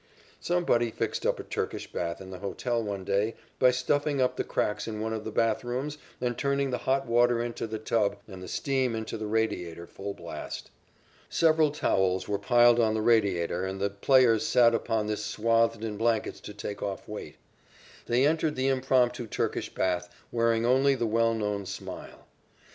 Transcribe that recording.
'" Somebody fixed up a Turkish bath in the hotel one day by stuffing up the cracks in one of the bathrooms and turning the hot water into the tub and the steam into the radiator full blast. Several towels were piled on the radiator and the players sat upon this swathed in blankets to take off weight. They entered the impromptu Turkish bath, wearing only the well known smile.